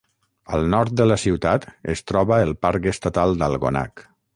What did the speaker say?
Al nord de la ciutat es troba el parc estatal d'Algonac.